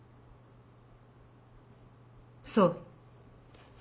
そう。